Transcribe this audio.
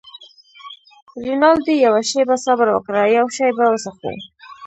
رینالډي: یوه شیبه صبر وکړه، یو شی به وڅښو.